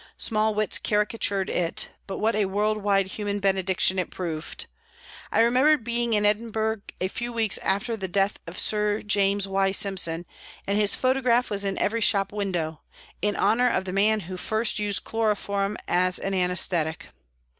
Small wits caricatured it, but what a world wide human benediction it proved. I remember being in Edinburgh a few weeks after the death of Sir James Y. Simpson, and his photograph was in every shop window, in honour of the man who first used chloroform as an anæsthetic.